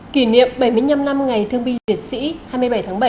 kỷ niệm bảy mươi năm năm ngày thương biệt sĩ hai mươi bảy tháng bảy